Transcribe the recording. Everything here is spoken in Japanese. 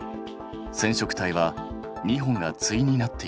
染色体は２本が対になっている。